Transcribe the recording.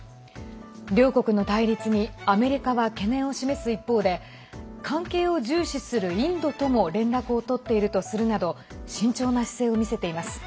両国の対立にアメリカは懸念を示す一方で関係を重視するインドとも連絡をとっているとするなど慎重な姿勢を見せています。